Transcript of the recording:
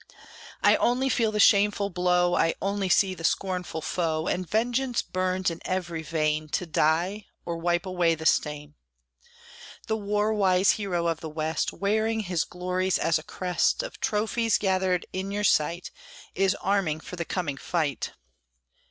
I only feel the shameful blow, I only see the scornful foe, And vengeance burns in every vein To die, or wipe away the stain. The war wise hero of the west, Wearing his glories as a crest, Of trophies gathered in your sight, Is arming for the coming fight.